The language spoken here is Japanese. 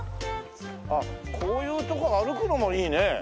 あっこういうとこ歩くのもいいね。